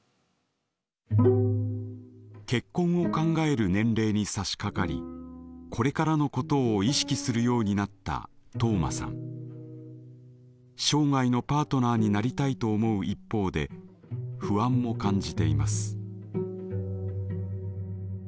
結婚を考える年齢にさしかかりこれからのことを意識するようになったトウマさん。になりたいと思う一方で不安も感じています。